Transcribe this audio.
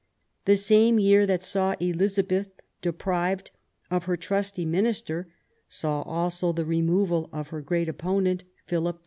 The same year that saw Elizabeth deprived of her trusty minister saw also the removal of her great opponent, Philip II.